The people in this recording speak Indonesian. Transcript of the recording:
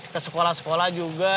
ke sekolah sekolah juga